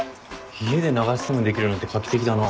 家で流しそうめんできるなんて画期的だな。